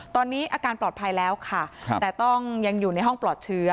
ตอนนี้อาการปลอดภัยแล้วค่ะแต่ต้องยังอยู่ในห้องปลอดเชื้อ